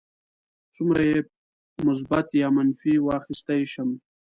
څومره یې مثبت یا منفي واخیستی شم.